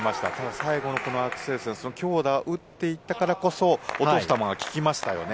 最後のアクセルセン、強打を打っていたからこそ、落とす球が効きましたよね。